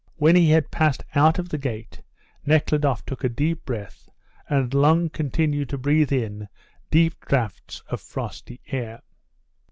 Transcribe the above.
When he had passed out of the gate Nekhludoff took a deep breath and long continued to breathe in deep draughts of frosty air.